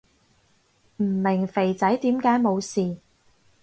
唔明肥仔點解冇事